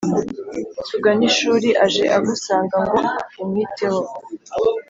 tuganishuri aje agusanga ngo umwiteho